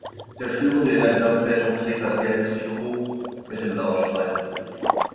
Der Führende in der Gesamtwertung trägt das "Gelbe Trikot mit dem blauen Streifen".